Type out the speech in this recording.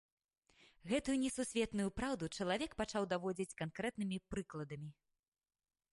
Гэтую несусветную праўду чалавек пачаў даводзіць канкрэтнымі прыкладамі.